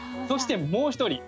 そしてもう一人。